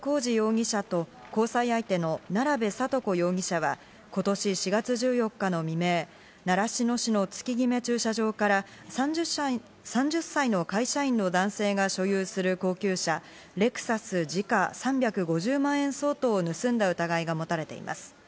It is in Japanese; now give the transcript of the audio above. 警察によりますと渡辺功二容疑者と交際相手の奈良部哲子容疑者は今年４月１４日の未明、習志野市の月決め駐車場から３０歳の会社員の男性が所有する高級車のレクサス、時価３５０万円相当を盗んだ疑いがもたれています。